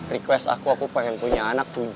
request aku aku pengen punya anak tujuh